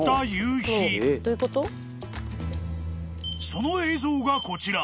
［その映像がこちら］